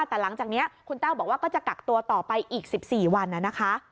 แต่หลังจากนี้คุณแต้วบอกว่าก็จะกักตัวต่อไปอีก๑๔วันนะคะ